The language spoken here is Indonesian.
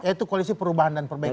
yaitu koalisi perubahan dan perbaikan